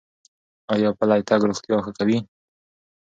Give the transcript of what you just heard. ایا پلی تګ روغتیا ښه کوي؟